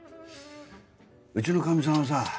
うちのカミさんはさ